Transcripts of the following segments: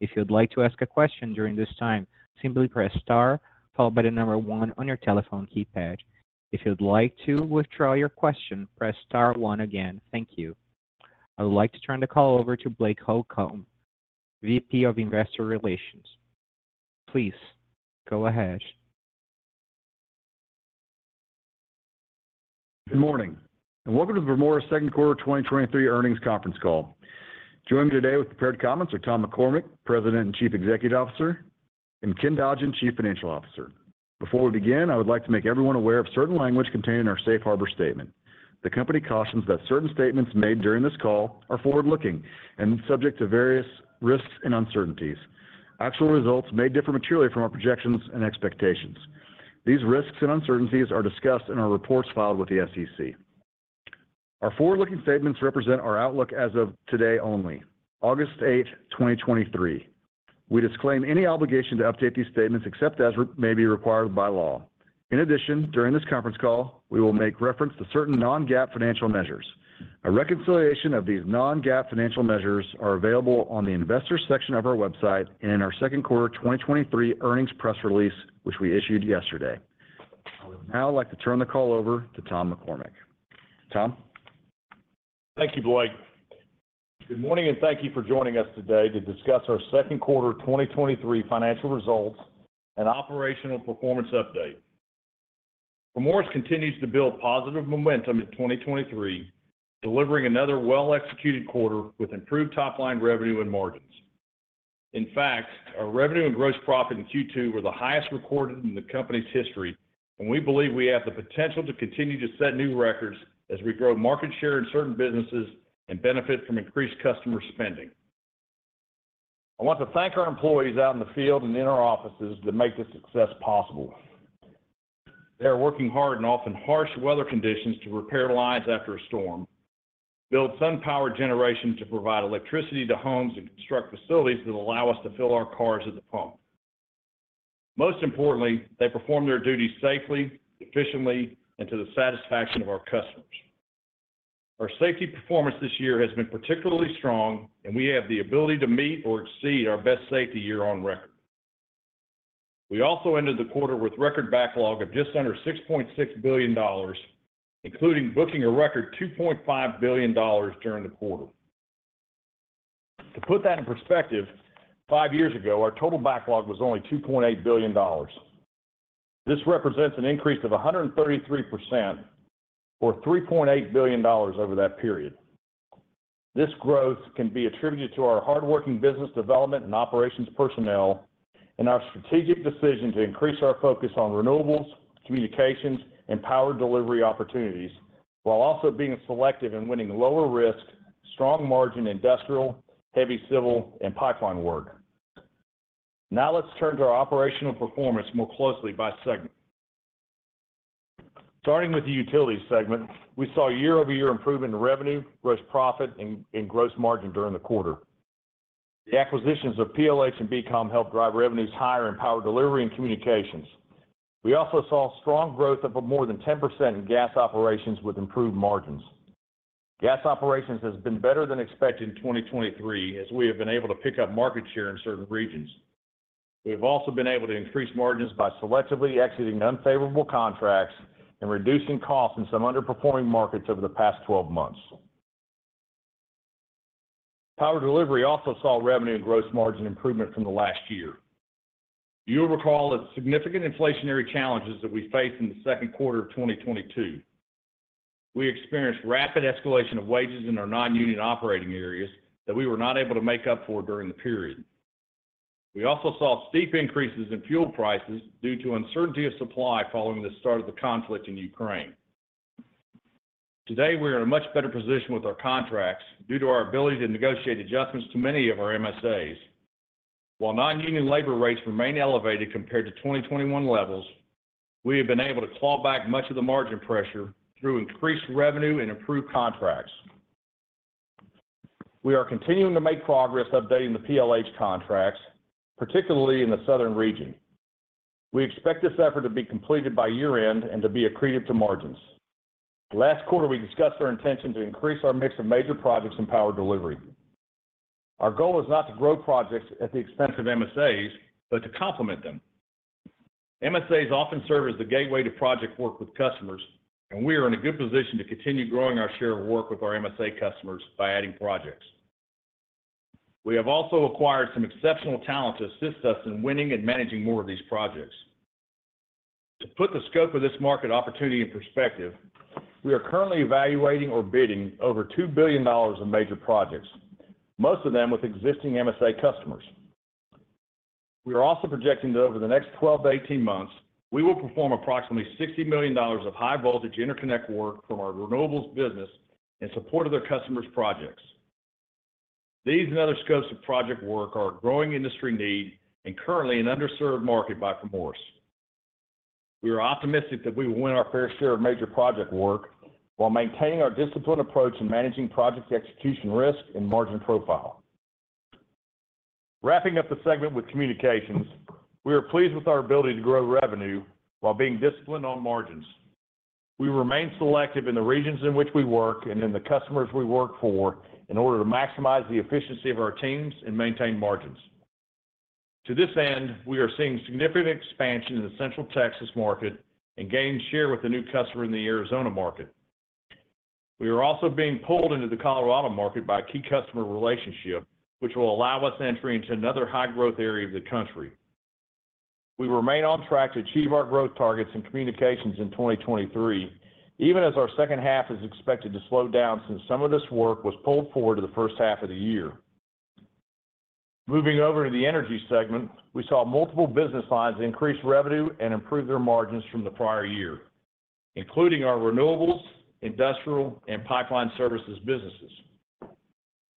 If you'd like to ask a question during this time, simply press star, followed by the number one on your telephone keypad. If you'd like to withdraw your question, press star one again. Thank you. I would like to turn the call over to Blake Holcomb, VP of Investor Relations. Please, go ahead. Good morning, and welcome to the Primoris second quarter 2023 earnings conference call. Joining me today with prepared comments are Tom McCormick, President and Chief Executive Officer, and Ken Dodgen, Chief Financial Officer. Before we begin, I would like to make everyone aware of certain language contained in our safe harbor statement. The company cautions that certain statements made during this call are forward-looking and subject to various risks and uncertainties. Actual results may differ materially from our projections and expectations. These risks and uncertainties are discussed in our reports filed with the SEC. Our forward-looking statements represent our outlook as of today only, August 8, 2023. We disclaim any obligation to update these statements except as may be required by law. In addition, during this conference call, we will make reference to certain non-GAAP financial measures. A reconciliation of these non-GAAP financial measures are available on the Investors section of our website and in our second quarter 2023 earnings press release, which we issued yesterday. I would now like to turn the call over to Tom McCormick. Tom? Thank you, Blake. Good morning, and thank you for joining us today to discuss our second quarter 2023 financial results and operational performance update. Primoris continues to build positive momentum in 2023, delivering another well-executed quarter with improved top-line revenue and margins. In fact, our revenue and gross profit in Q2 were the highest recorded in the company's history, and we believe we have the potential to continue to set new records as we grow market share in certain businesses and benefit from increased customer spending. I want to thank our employees out in the field and in our offices that make this success possible. They are working hard in often harsh weather conditions to repair lines after a storm, build solar-powered generation to provide electricity to homes, and construct facilities that allow us to fill our cars at the pump. Most importantly, they perform their duties safely, efficiently, and to the satisfaction of our customers. Our safety performance this year has been particularly strong, and we have the ability to meet or exceed our best safety year on record. We also ended the quarter with record backlog of just under $6.6 billion, including booking a record $2.5 billion during the quarter. To put that in perspective, five years ago, our total backlog was only $2.8 billion. This represents an increase of 133%, or $3.8 billion over that period. This growth can be attributed to our hardworking business development and operations personnel and our strategic decision to increase our focus on renewables, communications, and power delivery opportunities, while also being selective in winning lower risk, strong margin, industrial, heavy civil, and pipeline work. Now let's turn to our operational performance more closely by segment. Starting with the Utilities segment, we saw year-over-year improvement in revenue, gross profit, and gross margin during the quarter. The acquisitions of PLH and B. Comm helped drive revenues higher in power delivery and communications. We also saw strong growth of more than 10% in gas operations with improved margins. Gas operations has been better than expected in 2023, as we have been able to pick up market share in certain regions. We have also been able to increase margins by selectively exiting unfavorable contracts and reducing costs in some underperforming markets over the past 12 months. Power delivery also saw revenue and gross margin improvement from the last year. You'll recall the significant inflationary challenges that we faced in the second quarter of 2022. We experienced rapid escalation of wages in our non-union operating areas that we were not able to make up for during the period. We also saw steep increases in fuel prices due to uncertainty of supply following the start of the conflict in Ukraine. Today, we are in a much better position with our contracts due to our ability to negotiate adjustments to many of our MSAs. While non-union labor rates remain elevated compared to 2021 levels, we have been able to claw back much of the margin pressure through increased revenue and improved contracts. We are continuing to make progress updating the PLH contracts, particularly in the southern region. We expect this effort to be completed by year-end and to be accretive to margins. Last quarter, we discussed our intention to increase our mix of major projects in power delivery. Our goal is not to grow projects at the expense of MSAs, but to complement them. MSAs often serve as the gateway to project work with customers, and we are in a good position to continue growing our share of work with our MSA customers by adding projects. We have also acquired some exceptional talent to assist us in winning and managing more of these projects. To put the scope of this market opportunity in perspective, we are currently evaluating or bidding over $2 billion in major projects, most of them with existing MSA customers. We are also projecting that over the next 12-18 months, we will perform approximately $60 million of high-voltage interconnect work from our renewables business in support of their customers' projects. These and other scopes of project work are a growing industry need and currently an underserved market by Primoris. We are optimistic that we will win our fair share of major project work while maintaining our disciplined approach in managing project execution risk and margin profile. Wrapping up the segment with communications, we are pleased with our ability to grow revenue while being disciplined on margins. We remain selective in the regions in which we work and in the customers we work for in order to maximize the efficiency of our teams and maintain margins. To this end, we are seeing significant expansion in the Central Texas market and gain share with a new customer in the Arizona market. We are also being pulled into the Colorado market by a key customer relationship, which will allow us entry into another high-growth area of the country. We remain on track to achieve our growth targets in communications in 2023, even as our second half is expected to slow down since some of this work was pulled forward to the first half of the year. Moving over to the energy segment, we saw multiple business lines increase revenue and improve their margins from the prior year, including our renewables, industrial, and pipeline services businesses.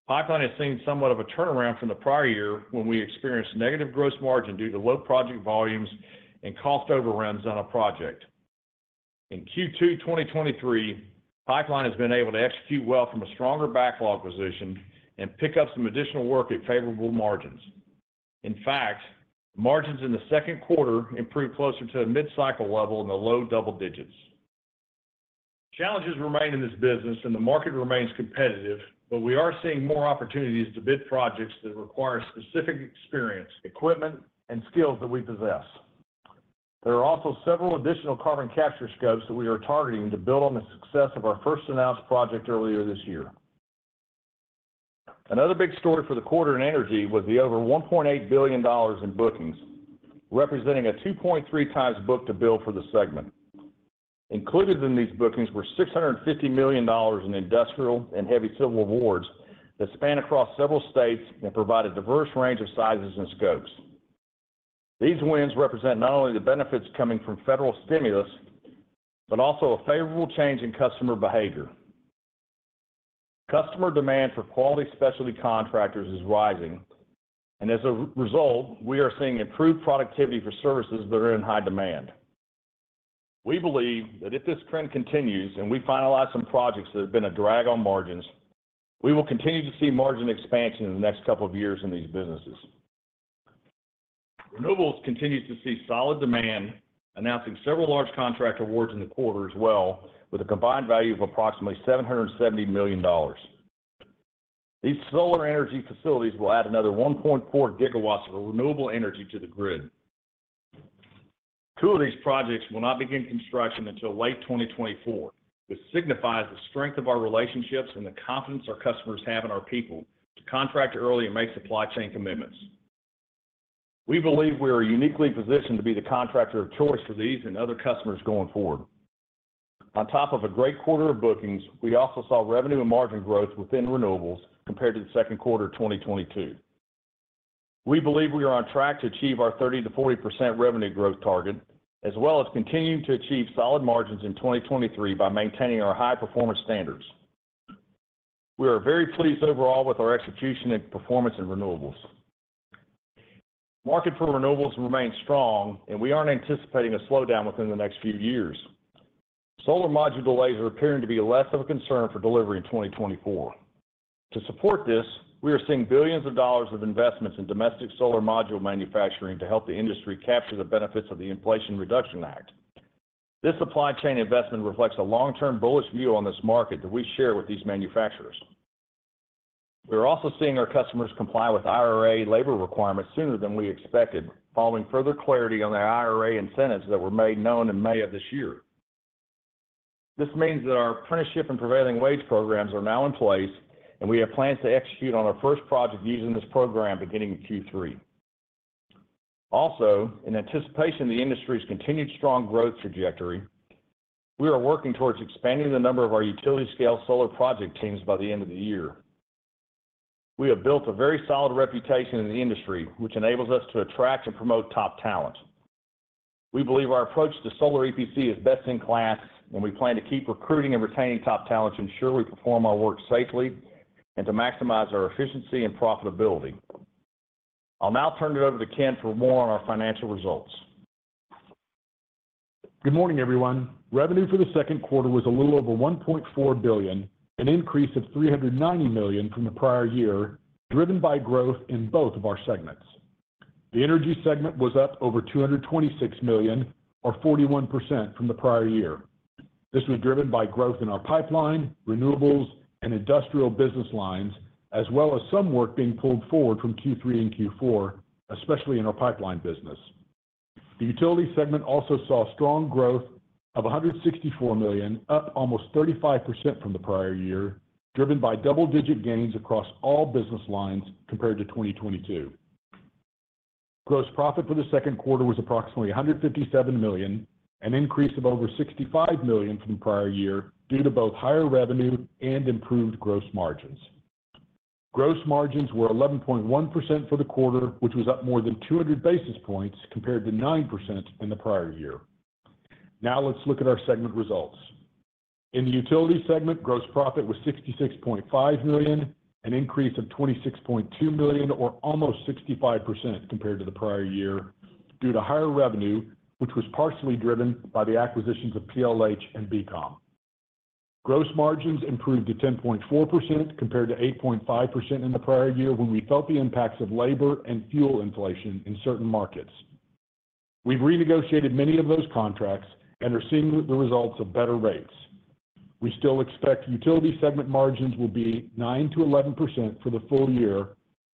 Pipeline has seen somewhat of a turnaround from the prior year when we experienced negative gross margin due to low project volumes and cost overruns on a project. In Q2 2023, pipeline has been able to execute well from a stronger backlog position and pick up some additional work at favorable margins. In fact, margins in the second quarter improved closer to a mid-cycle level in the low double digits. Challenges remain in this business and the market remains competitive, but we are seeing more opportunities to bid projects that require specific experience, equipment, and skills that we possess. There are also several additional carbon capture scopes that we are targeting to build on the success of our first announced project earlier this year. Another big story for the quarter in energy was the over $1.8 billion in bookings, representing a 2.3 times book-to-bill for the segment. Included in these bookings were $650 million in industrial and heavy civil awards that span across several states and provide a diverse range of sizes and scopes. These wins represent not only the benefits coming from federal stimulus, but also a favorable change in customer behavior. Customer demand for quality specialty contractors is rising, and as a result, we are seeing improved productivity for services that are in high demand. We believe that if this trend continues and we finalize some projects that have been a drag on margins, we will continue to see margin expansion in the next couple of years in these businesses. Renewables continues to see solid demand, announcing several large contract awards in the quarter as well, with a combined value of approximately $770 million. These solar energy facilities will add another 1.4 GW of renewable energy to the grid. Two of these projects will not begin construction until late 2024, which signifies the strength of our relationships and the confidence our customers have in our people to contract early and make supply chain commitments. We believe we are uniquely positioned to be the contractor of choice for these and other customers going forward. On top of a great quarter of bookings, we also saw revenue and margin growth within renewables compared to the second quarter of 2022. We believe we are on track to achieve our 30%-40% revenue growth target, as well as continuing to achieve solid margins in 2023 by maintaining our high-performance standards. We are very pleased overall with our execution and performance in renewables. Market for renewables remains strong, and we aren't anticipating a slowdown within the next few years. Solar module delays are appearing to be less of a concern for delivery in 2024. To support this, we are seeing $ billions of investments in domestic solar module manufacturing to help the industry capture the benefits of the Inflation Reduction Act. This supply chain investment reflects a long-term bullish view on this market that we share with these manufacturers. We're also seeing our customers comply with IRA labor requirements sooner than we expected, following further clarity on the IRA incentives that were made known in May of this year. This means that our apprenticeship and prevailing wage programs are now in place, and we have plans to execute on our first project using this program beginning in Q3. Also, in anticipation of the industry's continued strong growth trajectory, we are working towards expanding the number of our utility-scale solar project teams by the end of the year. We have built a very solid reputation in the industry, which enables us to attract and promote top talent. We believe our approach to solar EPC is best in class, and we plan to keep recruiting and retaining top talent to ensure we perform our work safely and to maximize our efficiency and profitability. I'll now turn it over to Ken for more on our financial results. Good morning, everyone. Revenue for the second quarter was a little over $1.4 billion, an increase of $390 million from the prior year, driven by growth in both of our segments. The energy segment was up over $226 million, or 41% from the prior year. This was driven by growth in our pipeline, renewables, and industrial business lines, as well as some work being pulled forward from Q3 and Q4, especially in our pipeline business. The utility segment also saw strong growth of $164 million, up almost 35% from the prior year, driven by double-digit gains across all business lines compared to 2022. Gross profit for the second quarter was approximately $157 million, an increase of over $65 million from the prior year due to both higher revenue and improved gross margins. Gross margins were 11.1% for the quarter, which was up more than 200 basis points, compared to 9% in the prior year. Now, let's look at our segment results. In the utility segment, gross profit was $66.5 million, an increase of $26.2 million, or almost 65% compared to the prior year, due to higher revenue, which was partially driven by the acquisitions of PLH and B. Comm. Gross margins improved to 10.4% compared to 8.5% in the prior year, when we felt the impacts of labor and fuel inflation in certain markets. We've renegotiated many of those contracts and are seeing the results of better rates. We still expect utility segment margins will be 9%-11% for the full year,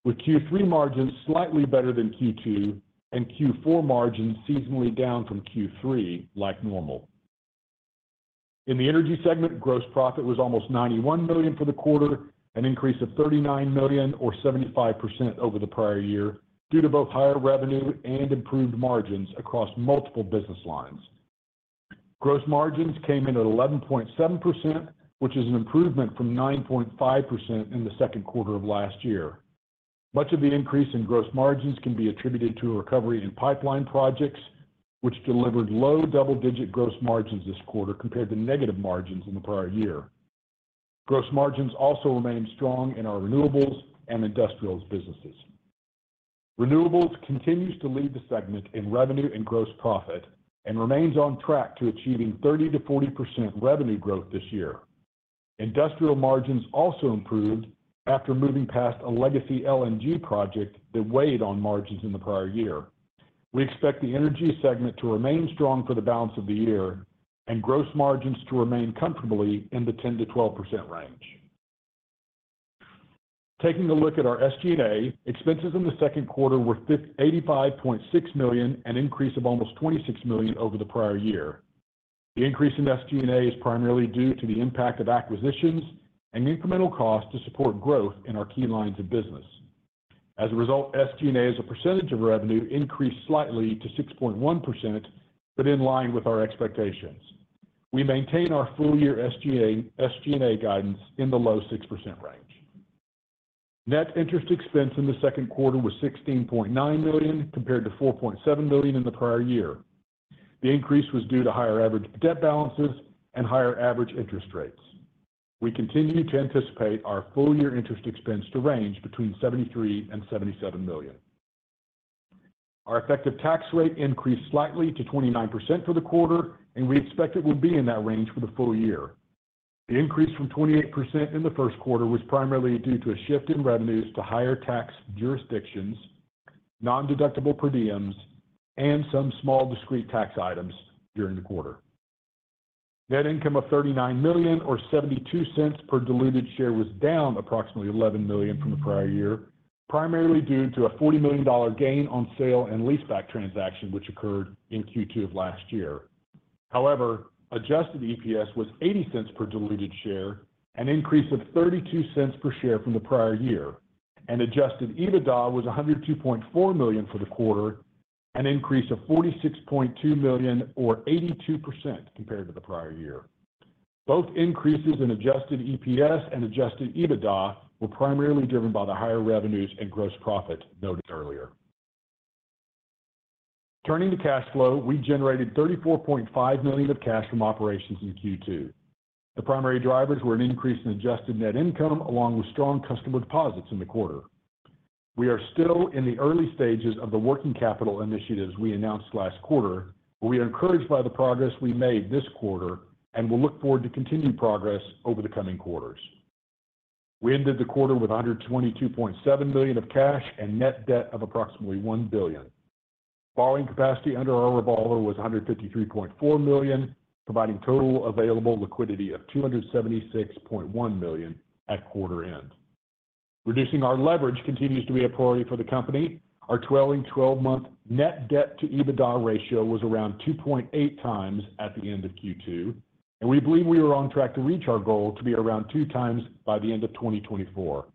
with Q3 margins slightly better than Q2, and Q4 margins seasonally down from Q3 like normal. In the energy segment, gross profit was almost $91 million for the quarter, an increase of $39 million or 75% over the prior year, due to both higher revenue and improved margins across multiple business lines. Gross margins came in at 11.7%, which is an improvement from 9.5% in the second quarter of last year. Much of the increase in gross margins can be attributed to a recovery in pipeline projects, which delivered low double-digit gross margins this quarter compared to negative margins in the prior year. Gross margins also remained strong in our renewables and industrials businesses. Renewables continues to lead the segment in revenue and gross profit, and remains on track to achieving 30%-40% revenue growth this year. Industrial margins also improved after moving past a legacy LNG project that weighed on margins in the prior year. We expect the energy segment to remain strong for the balance of the year, and gross margins to remain comfortably in the 10%-12% range. Taking a look at our SG&A, expenses in the second quarter were $85.6 million, an increase of almost $26 million over the prior year. The increase in SG&A is primarily due to the impact of acquisitions and incremental costs to support growth in our key lines of business. As a result, SG&A as a percentage of revenue increased slightly to 6.1%, but in line with our expectations. We maintain our full year SG&A guidance in the low 6% range. Net interest expense in the second quarter was $16.9 million, compared to $4.7 million in the prior year. The increase was due to higher average debt balances and higher average interest rates. We continue to anticipate our full-year interest expense to range between $73 million and $77 million. Our effective tax rate increased slightly to 29% for the quarter, and we expect it will be in that range for the full year. The increase from 28% in the first quarter was primarily due to a shift in revenues to higher tax jurisdictions, nondeductible per diems, and some small discrete tax items during the quarter. Net income of $39 million or $0.72 per diluted share was down approximately $11 million from the prior year, primarily due to a $40 million gain on sale and leaseback transaction, which occurred in Q2 of last year. However, adjusted EPS was $0.80 per diluted share, an increase of $0.32 per share from the prior year, and adjusted EBITDA was $102.4 million for the quarter, an increase of $46.2 million or 82% compared to the prior year. Both increases in adjusted EPS and adjusted EBITDA were primarily driven by the higher revenues and gross profit noted earlier. Turning to cash flow, we generated $34.5 million of cash from operations in Q2. The primary drivers were an increase in adjusted net income along with strong customer deposits in the quarter. We are still in the early stages of the working capital initiatives we announced last quarter, but we are encouraged by the progress we made this quarter, and we look forward to continued progress over the coming quarters. We ended the quarter with $122.7 million of cash and net debt of approximately $1 billion. Borrowing capacity under our revolver was $153.4 million, providing total available liquidity of $276.1 million at quarter end. Reducing our leverage continues to be a priority for the company. Our trailing twelve-month net debt to EBITDA ratio was around 2.8 times at the end of Q2, and we believe we are on track to reach our goal to be around 2 times by the end of 2024.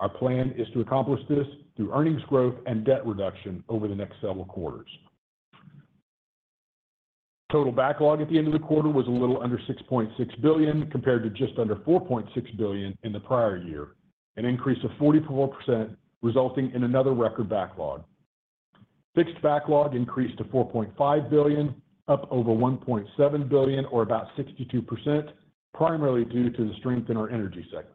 Our plan is to accomplish this through earnings growth and debt reduction over the next several quarters. Total backlog at the end of the quarter was a little under $6.6 billion, compared to just under $4.6 billion in the prior year, an increase of 44%, resulting in another record backlog. Fixed backlog increased to $4.5 billion, up over $1.7 billion, or about 62%, primarily due to the strength in our energy segment.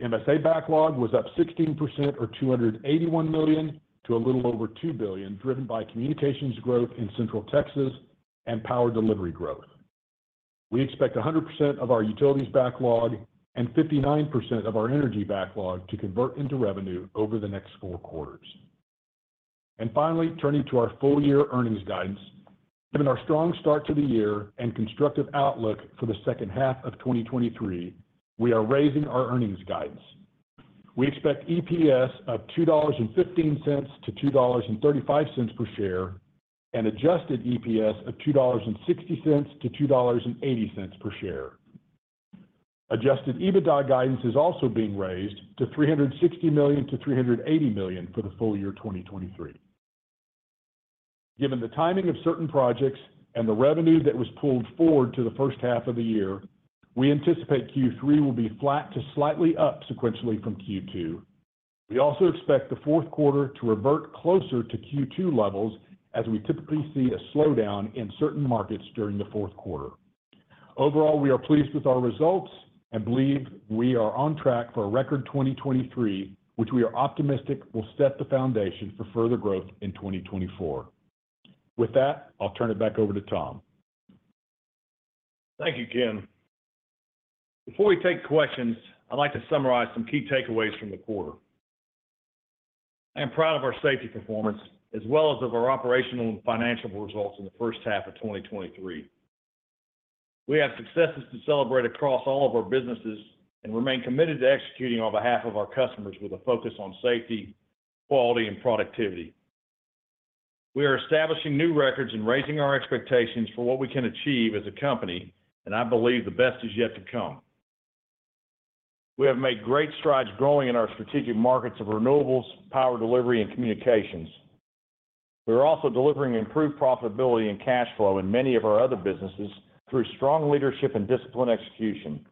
MSA backlog was up 16% or $281 million to a little over $2 billion, driven by communications growth in Central Texas and power delivery growth. We expect 100% of our utilities backlog and 59% of our energy backlog to convert into revenue over the next four quarters. Finally, turning to our full-year earnings guidance. Given our strong start to the year and constructive outlook for the second half of 2023, we are raising our earnings guidance. We expect EPS of $2.15-$2.35 per share, and adjusted EPS of $2.60-$2.80 per share. Adjusted EBITDA guidance is also being raised to $360 million-$380 million for the full year 2023. Given the timing of certain projects and the revenue that was pulled forward to the first half of the year, we anticipate Q3 will be flat to slightly up sequentially from Q2. We also expect the fourth quarter to revert closer to Q2 levels as we typically see a slowdown in certain markets during the fourth quarter. Overall, we are pleased with our results and believe we are on track for a record 2023, which we are optimistic will set the foundation for further growth in 2024. With that, I'll turn it back over to Tom. Thank you, Ken. Before we take questions, I'd like to summarize some key takeaways from the quarter. I am proud of our safety performance, as well as of our operational and financial results in the first half of 2023. We have successes to celebrate across all of our businesses and remain committed to executing on behalf of our customers with a focus on safety, quality, and productivity. We are establishing new records and raising our expectations for what we can achieve as a company, and I believe the best is yet to come. We have made great strides growing in our strategic markets of renewables, power delivery, and communications. We are also delivering improved profitability and cash flow in many of our other businesses through strong leadership and disciplined execution.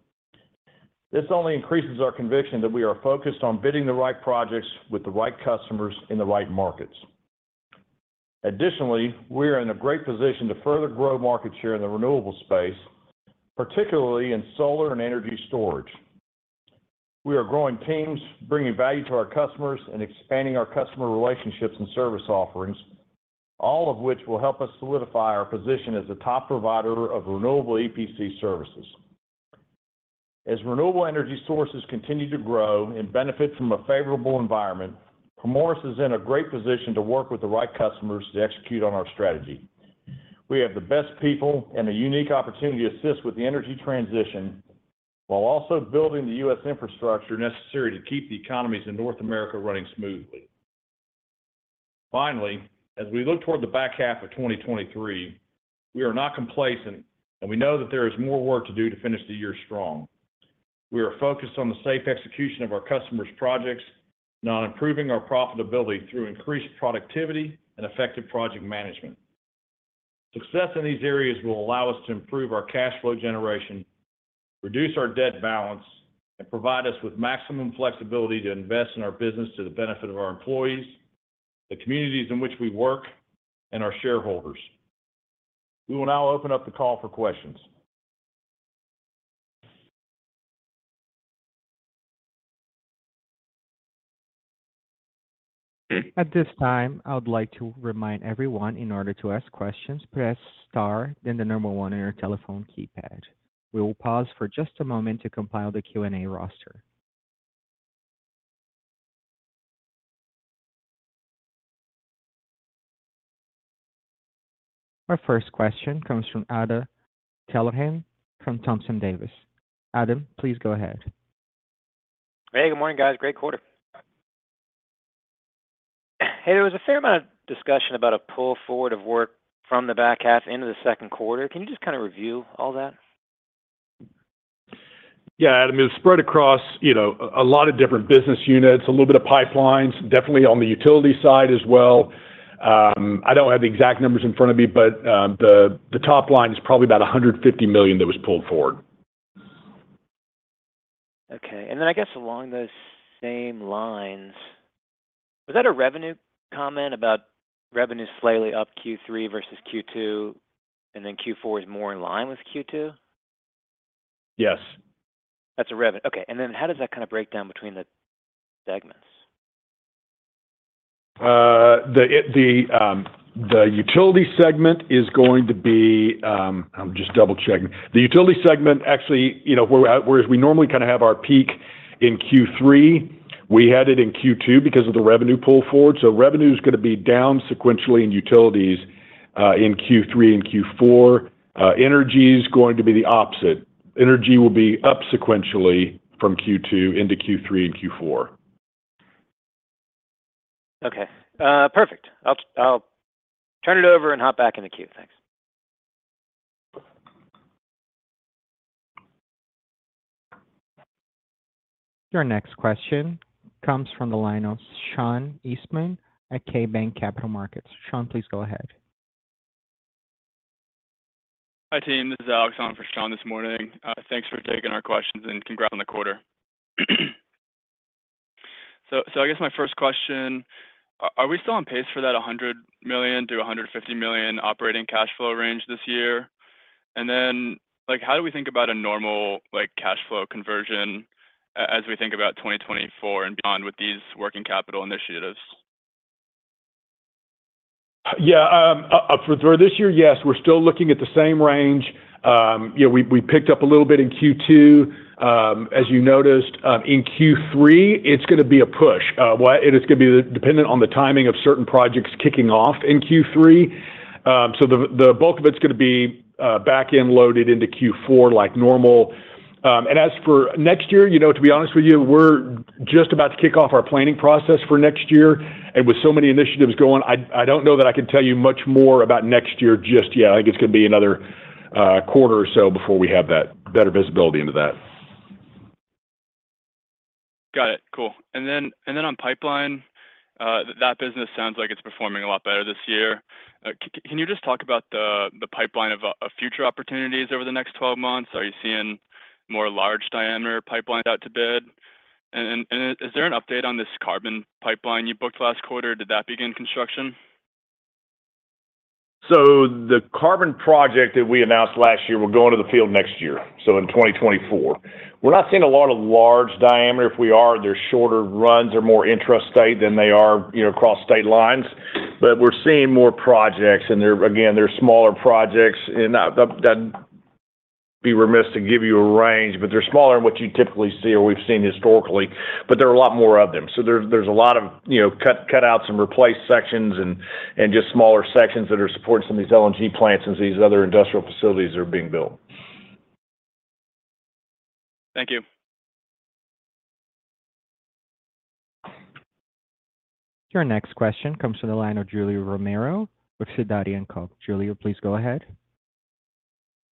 This only increases our conviction that we are focused on bidding the right projects with the right customers in the right markets. Additionally, we are in a great position to further grow market share in the renewable space, particularly in solar and energy storage. We are growing teams, bringing value to our customers, and expanding our customer relationships and service offerings, all of which will help us solidify our position as a top provider of renewable EPC services. As renewable energy sources continue to grow and benefit from a favorable environment, Primoris is in a great position to work with the right customers to execute on our strategy. We have the best people and a unique opportunity to assist with the energy transition, while also building the U.S. infrastructure necessary to keep the economies in North America running smoothly. Finally, as we look toward the back half of 2023, we are not complacent, and we know that there is more work to do to finish the year strong. We are focused on the safe execution of our customers' projects, and on improving our profitability through increased productivity and effective project management. Success in these areas will allow us to improve our cash flow generation, reduce our debt balance, and provide us with maximum flexibility to invest in our business to the benefit of our employees, the communities in which we work, and our shareholders. We will now open up the call for questions. At this time, I would like to remind everyone, in order to ask questions, press star, then the number one on your telephone keypad. We will pause for just a moment to compile the Q&A roster. Our first question comes from Adam Thalhimer from Thompson Davis & Co. Adam, please go ahead. Hey, good morning, guys. Great quarter. Hey, there was a fair amount of discussion about a pull forward of work from the back half into the second quarter. Can you just kind of review all that? Yeah, Adam, it was spread across, you know, a lot of different business units, a little bit of pipelines, definitely on the utility side as well. I don't have the exact numbers in front of me, but the top line is probably about $150 million that was pulled forward. Okay. And then I guess along those same lines, was that a revenue comment about revenue slightly up Q3 versus Q2, and then Q4 is more in line with Q2? Yes. That's a revenue. Okay, and then how does that kind of break down between the segments? The utility segment is going to be. I'm just double-checking. The utility segment, actually, you know, where we normally kind of have our peak in Q3, we had it in Q2 because of the revenue pull forward. So revenue is gonna be down sequentially in utilities, in Q3 and Q4. Energy is going to be the opposite. Energy will be up sequentially from Q2 into Q3 and Q4. Okay. Perfect. I'll turn it over and hop back in the queue. Thanks. Your next question comes from the line of Sean Eastman at KeyBanc Capital Markets. Sean, please go ahead. Hi, team. This is Alex on for Sean this morning. Thanks for taking our questions, and congrats on the quarter. So, I guess my first question, are we still on pace for that $100 million-$150 million operating cash flow range this year? And then, like, how do we think about a normal, like, cash flow conversion as we think about 2024 and beyond with these working capital initiatives? Yeah, for this year, yes, we're still looking at the same range. You know, we picked up a little bit in Q2. As you noticed, in Q3, it's gonna be a push. Well, it is gonna be dependent on the timing of certain projects kicking off in Q3. So the bulk of it's gonna be back-end loaded into Q4 like normal. And as for next year, you know, to be honest with you, we're just about to kick off our planning process for next year, and with so many initiatives going, I don't know that I can tell you much more about next year just yet. I think it's gonna be another quarter or so before we have that better visibility into that. Got it. Cool. And then on pipeline, that business sounds like it's performing a lot better this year. Can you just talk about the pipeline of future opportunities over the next 12 months? Are you seeing more large-diameter pipelines out to bid? And is there an update on this carbon pipeline you booked last quarter? Did that begin construction? So the carbon project that we announced last year will go into the field next year, so in 2024. We're not seeing a lot of large diameter. If we are, they're shorter runs or more intrastate than they are, you know, across state lines. But we're seeing more projects, and they're, again, they're smaller projects, and that. ... be remiss to give you a range, but they're smaller than what you typically see or we've seen historically, but there are a lot more of them. So there's a lot of, you know, cutouts and replaced sections and just smaller sections that are supporting some of these LNG plants as these other industrial facilities are being built. Thank you. Your next question comes from the line of Julio Romero with Sidoti & Company. Julio, please go ahead.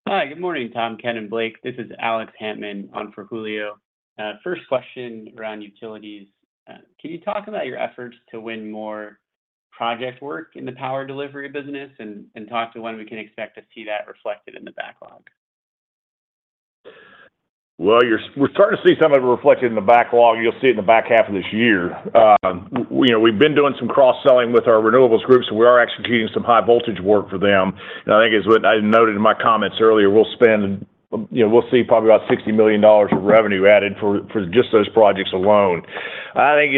Hi, good morning, Tom, Ken, and Blake. This is Alex Hammond on for Julio. First question around utilities. Can you talk about your efforts to win more project work in the power delivery business, and talk to when we can expect to see that reflected in the backlog? Well, we're starting to see some of it reflected in the backlog. You'll see it in the back half of this year. You know, we've been doing some cross-selling with our renewables groups, and we are executing some high-voltage work for them. And I think as what I noted in my comments earlier, we'll spend, you know, we'll see probably about $60 million of revenue added for just those projects alone. I think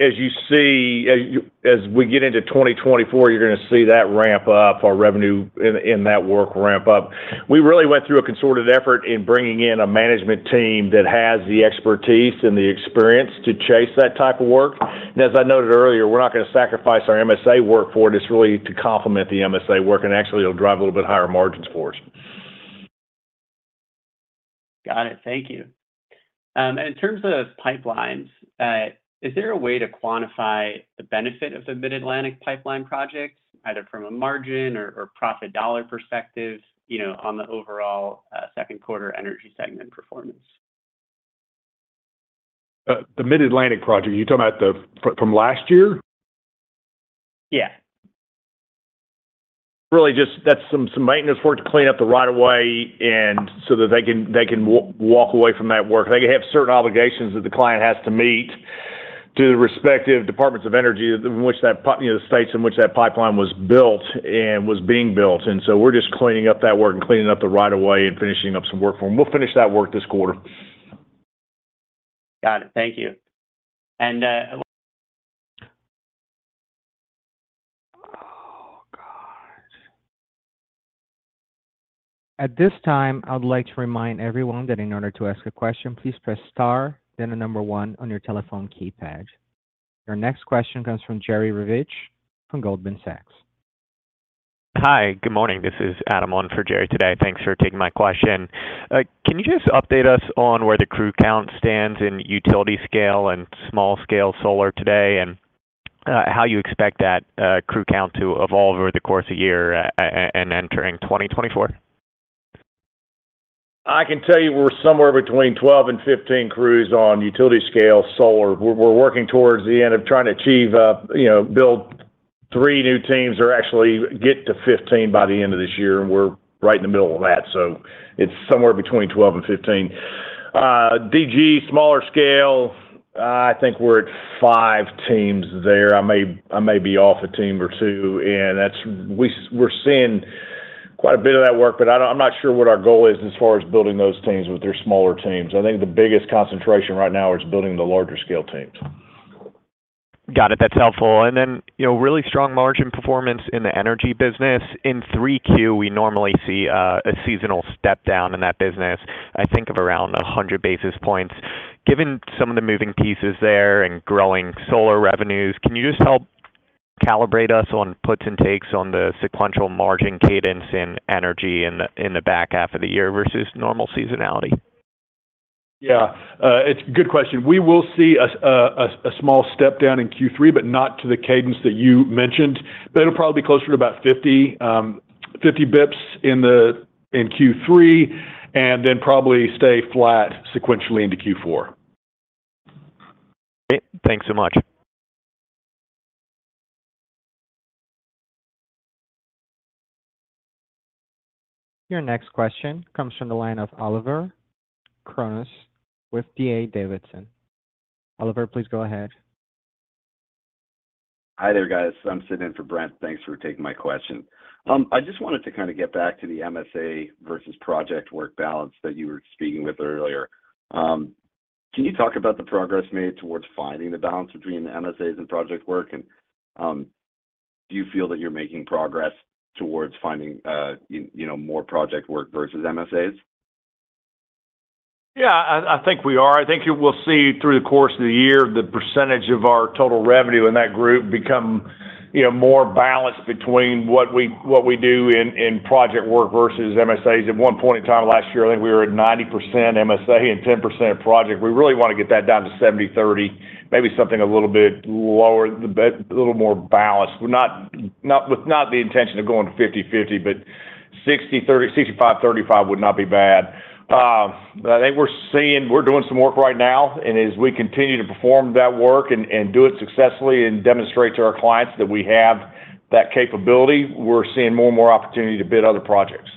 as you see, as we get into 2024, you're gonna see that ramp up, our revenue in that work ramp up. We really went through a concerted effort in bringing in a management team that has the expertise and the experience to chase that type of work. And as I noted earlier, we're not gonna sacrifice our MSA work for it. It's really to complement the MSA work, and actually it'll drive a little bit higher margins for us. Got it. Thank you. And in terms of pipelines, is there a way to quantify the benefit of the Mid-Atlantic pipeline project, either from a margin or, or profit dollar perspective, you know, on the overall, second quarter energy segment performance? The Mid-Atlantic project, are you talking about the-- from last year? Yeah. Really, just that's some maintenance work to clean up the right-of-way and so that they can walk away from that work. They have certain obligations that the client has to meet to the respective departments of energy, you know, in the states in which that pipeline was built and was being built. And so we're just cleaning up that work and cleaning up the right-of-way and finishing up some work for them. We'll finish that work this quarter. Got it. Thank you. And, Oh, God! At this time, I would like to remind everyone that in order to ask a question, please press star then the number one on your telephone keypad. Your next question comes from Jerry Revich from Goldman Sachs. Hi, good morning. This is Adam on for Jerry today. Thanks for taking my question. Can you just update us on where the crew count stands in utility scale and small scale solar today, and how you expect that crew count to evolve over the course of the year and entering 2024? I can tell you we're somewhere between 12 and 15 crews on utility scale solar. We're working towards the end of trying to achieve, you know, build 3 new teams or actually get to 15 by the end of this year, and we're right in the middle of that. So it's somewhere between 12 and 15. DG, smaller scale, I think we're at 5 teams there. I may be off a team or two, and that's. We're seeing quite a bit of that work, but I'm not sure what our goal is as far as building those teams with their smaller teams. I think the biggest concentration right now is building the larger scale teams. Got it. That's helpful. And then, you know, really strong margin performance in the energy business. In 3Q, we normally see a seasonal step down in that business, I think of around 100 basis points. Given some of the moving pieces there and growing solar revenues, can you just help calibrate us on puts and takes on the sequential margin cadence in energy in the back half of the year versus normal seasonality? Yeah. It's a good question. We will see a small step down in Q3, but not to the cadence that you mentioned. But it'll probably be closer to about 50 basis points in Q3, and then probably stay flat sequentially into Q4. Great. Thanks so much. Your next question comes from the line of Oliver Chornous with D.A. Davidson. Oliver, please go ahead. Hi there, guys. I'm sitting in for Brent. Thanks for taking my question. I just wanted to kind of get back to the MSA versus project work balance that you were speaking with earlier. Can you talk about the progress made towards finding the balance between the MSAs and project work? And, do you feel that you're making progress towards finding, you know, more project work versus MSAs? Yeah, I, I think we are. I think you will see through the course of the year, the percentage of our total revenue in that group become, you know, more balanced between what we, what we do in, in project work versus MSAs. At one point in time last year, I think we were at 90% MSA and 10% project. We really want to get that down to 70/30, maybe something a little bit lower, but a little more balanced. We're not- not-- with not the intention of going to 50/50, but 60/30, 65/35 would not be bad. But I think we're seeing-- we're doing some work right now, and as we continue to perform that work and, and do it successfully and demonstrate to our clients that we have that capability, we're seeing more and more opportunity to bid other projects.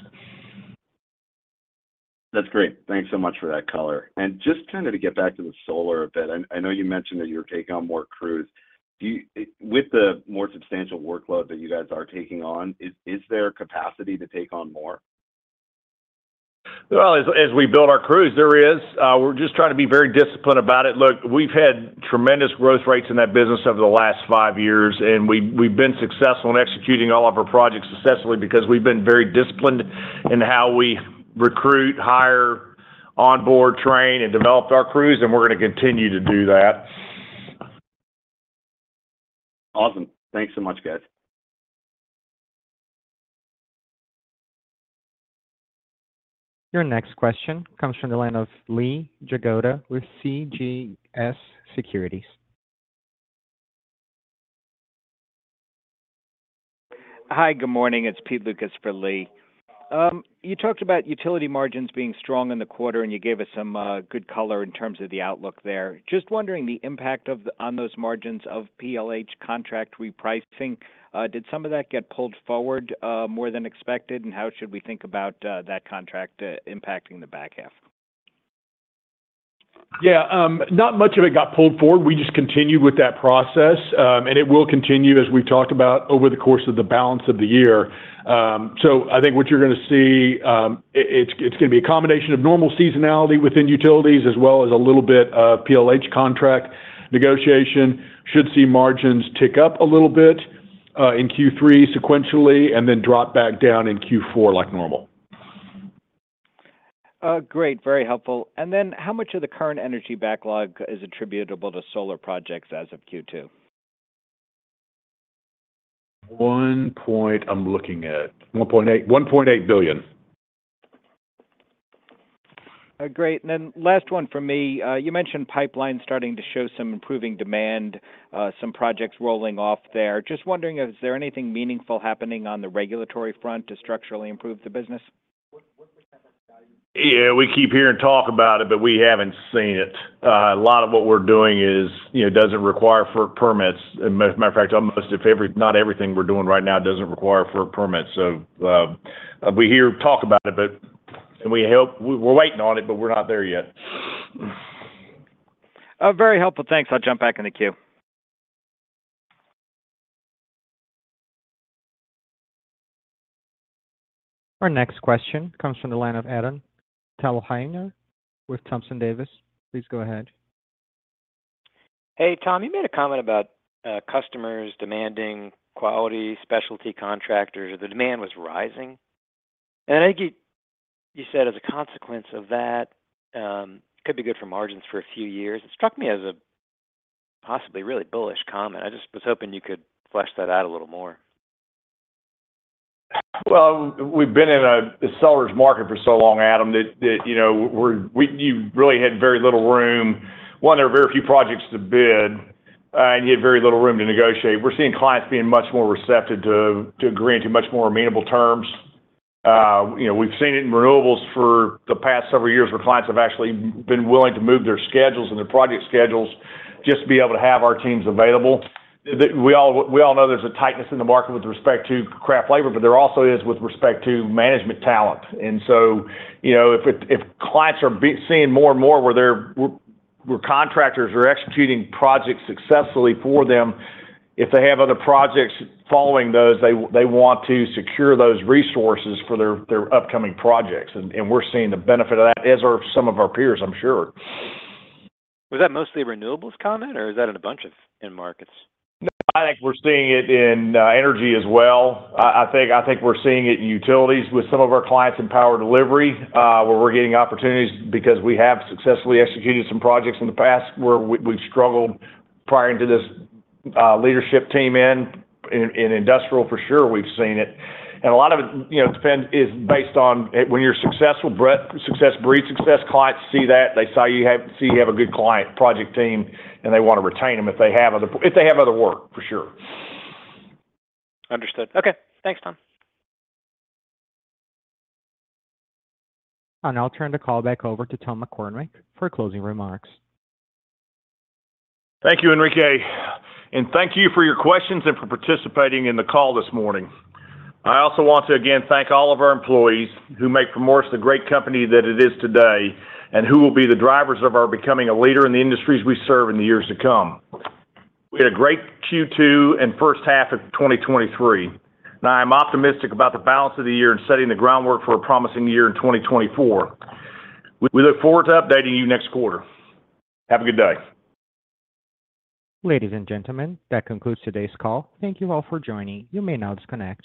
That's great. Thanks so much for that color. Just kind of to get back to the solar a bit. I know you mentioned that you're taking on more crews. Do you—with the more substantial workload that you guys are taking on, is there capacity to take on more? Well, as we build our crews, we're just trying to be very disciplined about it. Look, we've had tremendous growth rates in that business over the last five years, and we've been successful in executing all of our projects successfully because we've been very disciplined in how we recruit, hire, onboard, train, and developed our crews, and we're gonna continue to do that. Awesome. Thanks so much, guys. Your next question comes from the line of Lee Jagoda with CJS Securities. Hi, good morning. It's peter Lucas for Lee. You talked about utility margins being strong in the quarter, and you gave us some good color in terms of the outlook there. Just wondering the impact of the PLH contract repricing on those margins? Did some of that get pulled forward more than expected? And how should we think about that contract impacting the back half? Yeah, not much of it got pulled forward. We just continued with that process. It will continue, as we've talked about, over the course of the balance of the year. So I think what you're gonna see, it's gonna be a combination of normal seasonality within utilities, as well as a little bit of PLH contract negotiation. Should see margins tick up a little bit, in Q3 sequentially, and then drop back down in Q4, like normal. Great. Very helpful. And then, how much of the current energy backlog is attributable to solar projects as of Q2? I'm looking at $1.8, $1.8 billion. Great. Last one from me. You mentioned pipelines starting to show some improving demand, some projects rolling off there. Just wondering, is there anything meaningful happening on the regulatory front to structurally improve the business? Yeah, we keep hearing talk about it, but we haven't seen it. A lot of what we're doing is, you know, doesn't require for permits. As a matter of fact, not everything we're doing right now doesn't require for a permit. So, we hear talk about it, but we're waiting on it, but we're not there yet. Very helpful. Thanks. I'll jump back in the queue. Our next question comes from the line of Adam Thalhimer with Thompson Davis. Please go ahead. Hey, Tom, you made a comment about customers demanding quality, specialty contractors, the demand was rising. And I think you said as a consequence of that, could be good for margins for a few years. It struck me as a possibly really bullish comment. I just was hoping you could flesh that out a little more. Well, we've been in a seller's market for so long, Adam, that you know you really had very little room. One, there are very few projects to bid, and you had very little room to negotiate. We're seeing clients being much more receptive to agreeing to much more amenable terms. You know, we've seen it in renewables for the past several years, where clients have actually been willing to move their schedules and their project schedules just to be able to have our teams available. We all know there's a tightness in the market with respect to craft labor, but there also is with respect to management talent. And so, you know, if clients are seeing more and more where they're, where contractors are executing projects successfully for them, if they have other projects following those, they want to secure those resources for their upcoming projects. And we're seeing the benefit of that, as are some of our peers, I'm sure. Was that mostly a renewables comment, or is that in a bunch of end markets? No, I think we're seeing it in energy as well. I think we're seeing it in utilities with some of our clients in power delivery, where we're getting opportunities because we have successfully executed some projects in the past where we've struggled prior to this leadership team in. In industrial, for sure, we've seen it. And a lot of it, you know, is based on when you're successful, success breeds success. Clients see that, they see you have a good client project team, and they want to retain them if they have other work, for sure. Understood. Okay. Thanks, Tom. I'll now turn the call back over to Tom McCormick for closing remarks. Thank you, Enrique, and thank you for your questions and for participating in the call this morning. I also want to again thank all of our employees who make Primoris the great company that it is today, and who will be the drivers of our becoming a leader in the industries we serve in the years to come. We had a great Q2 and first half of 2023. Now, I'm optimistic about the balance of the year and setting the groundwork for a promising year in 2024. We look forward to updating you next quarter. Have a good day. Ladies and gentlemen, that concludes today's call. Thank you all for joining. You may now disconnect.